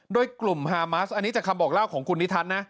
โดยกลุ่มฮามัสอันนี้จากคำบอกเล่าของคุณนิทัศน์นะ